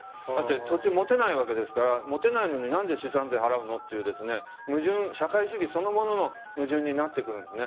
土地を持てないわけですから持てないのになんで資産税を払うのと社会主義そのものの矛盾になってくるんですね。